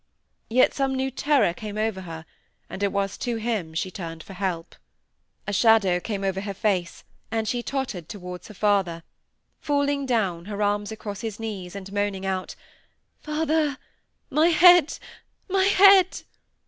Yet some new terror came over her, and it was to him she turned for help. A shadow came over her face, and she tottered towards her father; falling down, her arms across his knees, and moaning out,— "Father, my head! my head!"